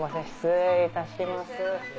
失礼いたします。